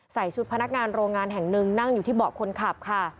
ชุดพนักงานโรงงานแห่งหนึ่งนั่งอยู่ที่เบาะคนขับค่ะ